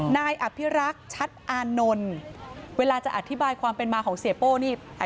นายอภิรักษ์ชัดอานนท์เวลาจะอธิบายความเป็นมาของเสียโป้นี่